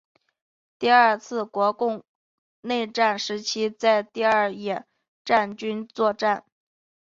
第二次国共内战时期在第二野战军作战。